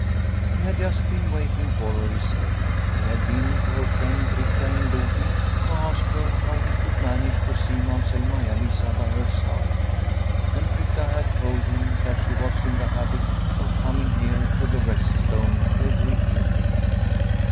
He had just been waiting for her, he said. He had been to her friend Britta in Lobyn to ask her how he could manage to see Mamsell Maia Lisa by herself, and Britta had told him that she was in the habit of coming here to the Rest Stone every evening.